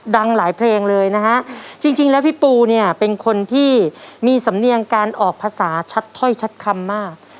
ดังหลายเพลงเลยนะฮะจริงแล้วพี่ปูเนี่ยเป็นคนที่มีสำเนียงการออกภาษาชัดถ้อยชัดคำมาก